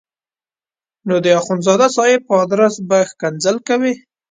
نو د اخندزاده صاحب په ادرس به ښکنځل کوي.